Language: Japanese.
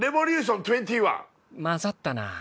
混ざったなあ。